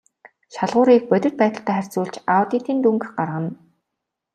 Шалгууруудыг бодит байдалтай харьцуулж аудитын дүнг гаргана.